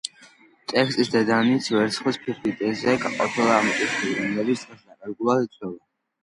ტექსტის დედანი ვერცხლის ფირფიტებზე ყოფილა ამოტვიფრული, რომლებიც დღეს დაკარგულად ითვლება.